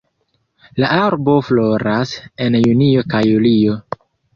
La arbo floras en junio kaj julio.